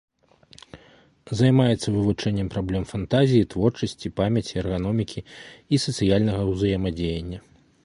Займаецца вывучэннем праблем фантазіі, творчасці, памяці, эрганомікі і сацыяльнага ўзаемадзеяння.